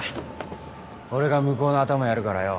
俺が向こうの頭やるからよ